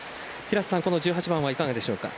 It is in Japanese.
この１８番はいかがでしょうか？